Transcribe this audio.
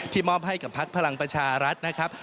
มอบให้กับพักพลังประชารัฐนะครับ